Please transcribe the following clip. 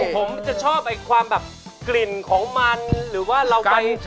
ผมจะชอบไอ้ความแบบกลิ่นของมันหรือว่าเราไป